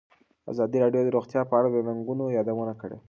ازادي راډیو د روغتیا په اړه د ننګونو یادونه کړې.